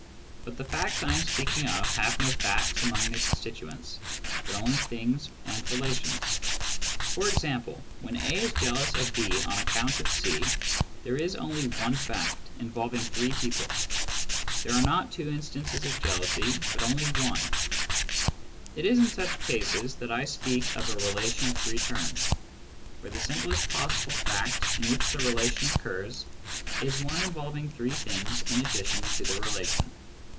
But the facts I am speaking of have no facts among their constituents, but only things and relations. For example, when A is jealous of B on account of C, there is only one fact, involving three people ; there are not Digitized by Google 52 SCIENTIFIC METHOD IN PHILOSOPHY two instances of jealousy, but only one. It is in such \ cases that I speak of a relation of three terms, where the ; simplest possible fact in which the relation occurs is one involving three things in addition to the relation.